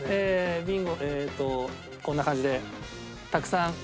ビンゴえーっとこんな感じでたくさん。